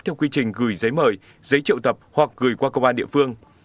theo quy trình gửi giấy mời giấy triệu tập hoặc gửi qua công an địa phương